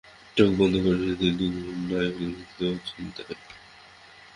চোখ বন্ধ করলে, কিন্তু ঘুমে নয়, ক্লান্তিতে ও চিন্তায়।